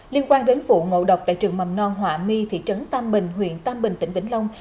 liên quan đến vụ ngộ độc tại trường mầm non họa my thị trấn tam bình huyện tam bình tỉnh vĩnh long